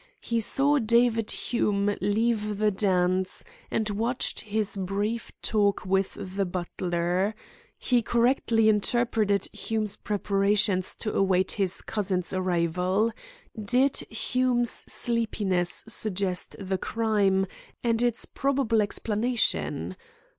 He saw David Hume leave the dance, and watched his brief talk with the butler. He correctly interpreted Hume's preparations to await his cousin's arrival. Did Hume's sleepiness suggest the crime, and its probable explanation?